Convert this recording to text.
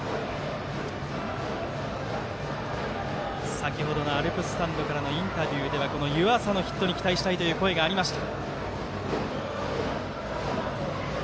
先ほどのアルプススタンドからのインタビューではこの湯淺のヒットに期待したいという声がありました。